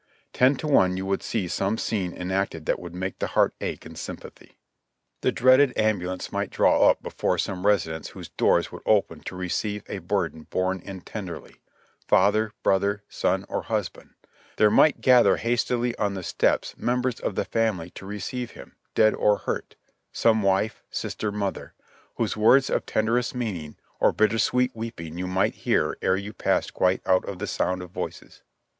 Ten to one you would see some scene en acted that would make the heart ache in sympathy. The dreaded I 58 JOHNNY REB AND BILLY YANK ambulance might draw up before some residence whose doors would open to receive a burden borne in tenderly — father, brother, son or husband ; there might gather hastily on the steps members of the family to receive him, dead or hurt, — some wife, sister, mother, — whose words of tenderest meaning or bitterest weeping" you might hear ere you passed quite out of the sound of voices.